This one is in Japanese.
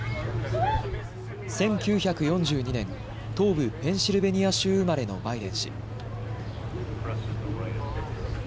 １９４２年、東部ペンシルベニア州生まれのバイデン氏。